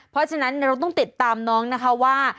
เพราะฉะนั้นเราต้องติดตามน้องนะคะว่า